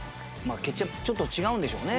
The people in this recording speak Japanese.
ケチャップちょっと違うんでしょうね。